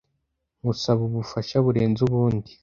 Nkusaba ubufasha burenze ubundi